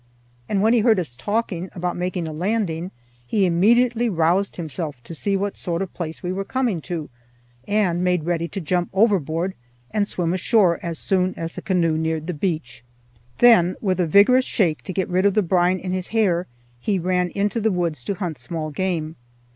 And when he heard us talking about making a landing, he immediately roused himself to see what sort of a place we were coming to, and made ready to jump overboard and swim ashore as soon as the canoe neared the beach. Then, with a vigorous shake to get rid of the brine in his hair, he ran into the woods to hunt small game.